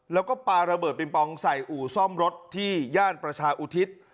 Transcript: แล้วก็ปลาระเบิดปิงปองใส่อู่ซ่อมรถที่ย่านประชาอุทิศ